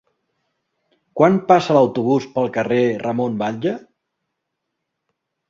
Quan passa l'autobús pel carrer Ramon Batlle?